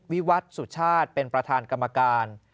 วิวัตรสุชาติเป็นประธานกรรมการ